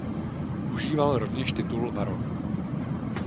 Užíval rovněž titulu baron.